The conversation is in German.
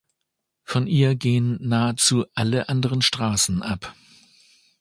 Von ihr gehen nahezu alle anderen Straßen ab.